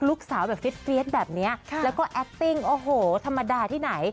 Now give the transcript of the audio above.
ลูกสาวแบบฟรี๊ดฟรี๊ดแบบเนี้ยค่ะแล้วก็โอ้โหธรรมดาที่ไหน